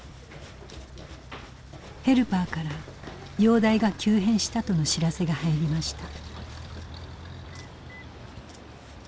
ヘルパーから容体が急変したとの知らせが入りました。